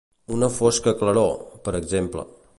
Una «fosca claror», per exemple.